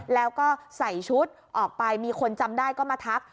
แล้วก็ใส่ชุดออกไปมีคนจำได้ก็มาทัก